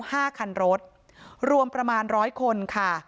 ห้าคันรถรวมประมาณร้อยคนค่ะ